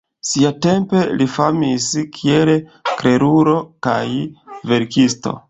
Siatempe li famis kiel klerulo kaj verkisto.